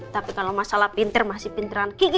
tapi kalau masalah pinter masih pinteran gigi